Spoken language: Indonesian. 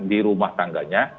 di rumah tangganya